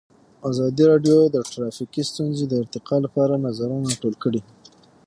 ازادي راډیو د ټرافیکي ستونزې د ارتقا لپاره نظرونه راټول کړي.